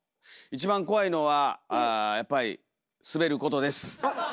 一番怖いのはやっぱり滑ることです。